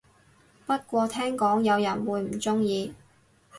不過聽講有人會唔鍾意